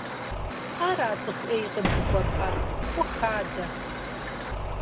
Ара цӀыху Ӏейкъым жыхуэпӀэр? Ӏух адэ!